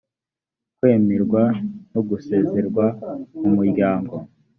kwemerwa no gusezererwa mu muryango